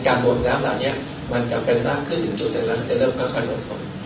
การบวงน้ำเหล่านี้มันจะเป็นราดขึ้นจุดใดแล้วมันจะเริ่มก็ขนกลง